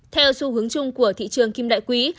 theo xu hướng chung của thị trường kim đại quý